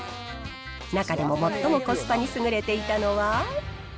中でも最もコスパに優れていたのは。